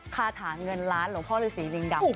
คาถาเงินล้านหลวงพ่อฤษีลิงดำ